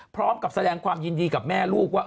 พร้อมกับแสดงความยินดีกับแม่ลูกว่า